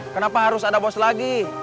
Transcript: kenapa harus ada bos lagi